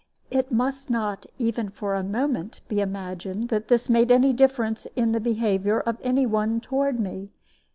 It must not even for a moment be imagined that this made any difference in the behavior of any one toward me.